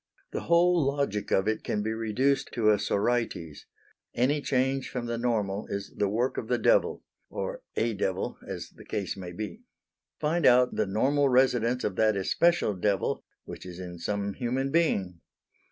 The whole logic of it can be reduced to a sorites. Any change from the normal is the work of the devil or a devil as the case may be. Find out the normal residence of that especial devil which is in some human being.